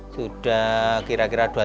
sudah kira kira dua tahunan